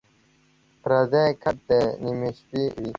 پردی کټ دَ نیمې شپې وي